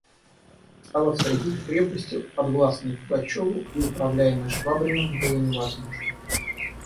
Оставаться ей в крепости, подвластной Пугачеву и управляемой Швабриным, было невозможно.